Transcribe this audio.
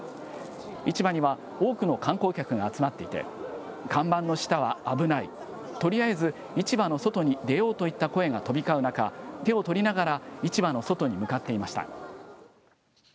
市場には、多くの観光客が集まっていて、看板の下は危ない、とりあえず市場の外に出ようといった声が飛び交う中、手を取りながら市場の外に向かっていました。